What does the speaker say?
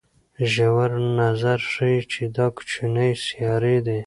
ژور نظر ښيي چې دا کوچنۍ سیارې دي.